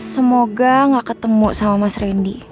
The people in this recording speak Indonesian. semoga nggak ketemu sama mas rendy